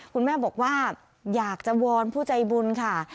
คุณแม่บอกว่าอยากจะวอนผู้ใจบุญค่ะ